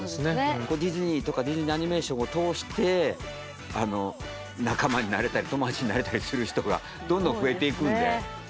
ディズニーとかディズニーアニメーションを通して仲間になれたり友達になれたりする人がどんどん増えていくんで。